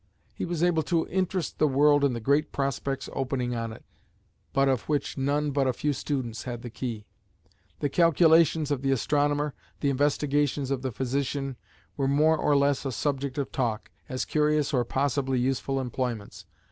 He was able to interest the world in the great prospects opening on it, but of which none but a few students had the key. The calculations of the astronomer, the investigations of the physician, were more or less a subject of talk, as curious or possibly useful employments.